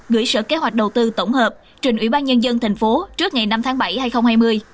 gửi sở kế hoạch đầu tư tổng hợp trình ủy ban nhân dân thành phố trước ngày năm tháng bảy hai nghìn hai mươi